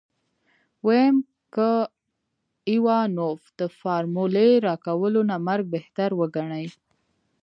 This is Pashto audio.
ويم که ايوانوف د فارمولې راکولو نه مرګ بهتر وګڼي.